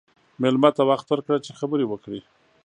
مېلمه ته وخت ورکړه چې خبرې وکړي.